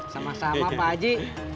sama sama pak haji